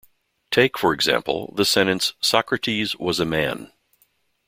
Take, for example, the sentence "Socrates was a man".